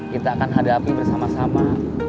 kita akan hadapi bersama sama